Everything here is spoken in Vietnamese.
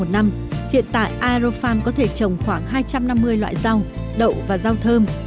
trong năm hai nghìn hai mươi hiện tại aerofarm có thể trồng khoảng hai trăm năm mươi loại rau đậu và rau thơm